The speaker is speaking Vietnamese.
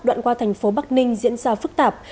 đoạn qua thành phố bắc ninh diễn ra phức tạp